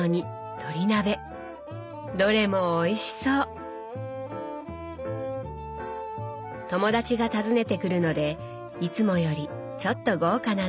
友達が訪ねてくるのでいつもよりちょっと豪華なんだそう。